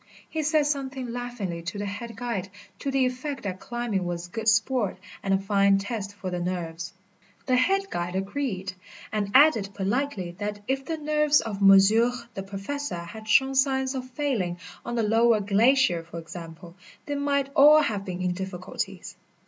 He said something laughingly to the head guide to the effect that climbing was good sport and a fine test for the nerves. The head guide agreed, and added politely that if the nerves of monsieur the Professor had shown signs of failing on the lower glacier, for example, they might all have been in difficulties.